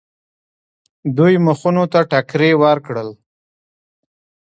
دوی مخونو ته ټکرې ورکړل.